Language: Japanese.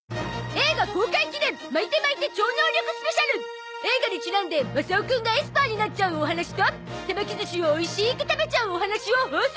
映画公開記念映画にちなんでマサオくんがエスパーになっちゃうお話と手巻き寿司をおいしく食べちゃうお話を放送